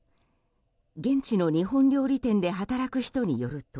現地の日本料理店で働く人によると